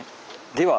では